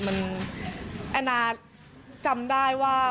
มันแอนนาจำได้ว่า